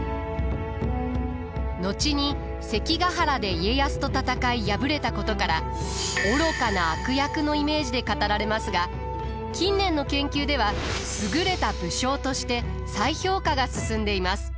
後に関ヶ原で家康と戦い敗れたことから愚かな悪役のイメージで語られますが近年の研究では優れた武将として再評価が進んでいます。